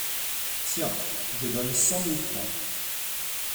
Tiens ! je donne cent mille francs !